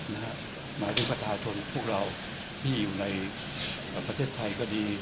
หมายคิดว่าอยู่ในประเทศไทยก็ดี